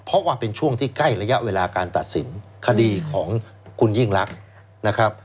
เพราะว่าเป็นช่วงที่ใกล้ระยะเวลาการตัดสินคดีของคุณยิ่งรักนะครับ